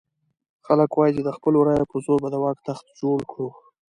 خلک وایي چې د خپلو رایو په زور به د واک تخت جوړ کړو.